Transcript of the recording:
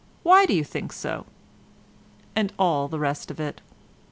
Why do you think so?' And all the rest of it.